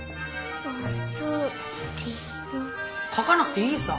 書かなくていいさ。